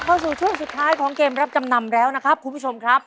เข้าสู่ช่วงสุดท้ายของเกมรับจำนำแล้วนะครับคุณผู้ชมครับ